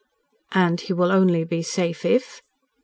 "And he will only be safe if?"